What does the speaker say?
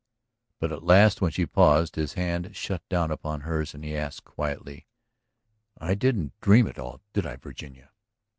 But at last when she paused his hand shut down upon hers and he asked quietly: "I didn't dream it all, did I, Virginia?